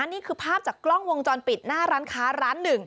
นี่คือภาพจากกล้องวงจรปิดหน้าร้านค้าร้านหนึ่ง